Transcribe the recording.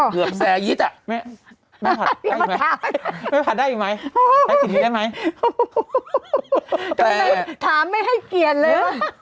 เกือบแสหยิดอ่ะไม่ผัดได้หรือไหมไม่ผัดได้หรือไหมถามไม่ให้เกลียดเลย